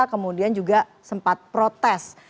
kemudian juga sempat protes